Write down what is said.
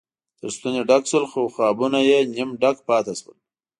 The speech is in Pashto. تر ستوني ډک شول خو قابونه یې نیم ډک پاتې شول.